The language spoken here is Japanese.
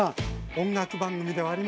音楽番組ではありません。